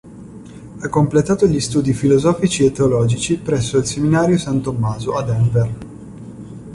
Ha completato gli studi filosofici e teologici presso il seminario "San Tommaso" a Denver.